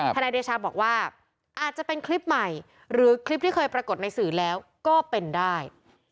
นายเดชาบอกว่าอาจจะเป็นคลิปใหม่หรือคลิปที่เคยปรากฏในสื่อแล้วก็เป็นได้